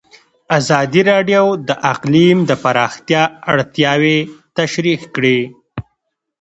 ازادي راډیو د اقلیم د پراختیا اړتیاوې تشریح کړي.